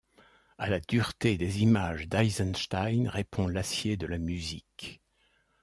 A la dureté des images d'Eisenstein répond l'acier de la musique.